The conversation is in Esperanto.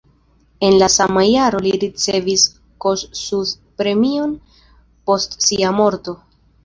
En la sama jaro li ricevis la Kossuth-premion post sia morto.